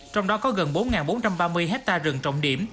trong đó có gần bốn bốn trăm ba mươi hectare rừng trọng điểm